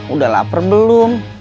udah lapar belum